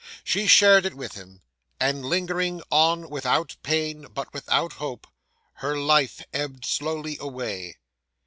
She shared it with him; and lingering on without pain, but without hope, her life ebbed slowly away.